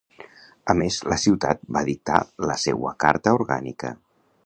A més, la ciutat va dictar la seua Carta Orgànica.